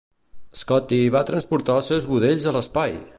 Scotty va transportar els seus budells a l'espai!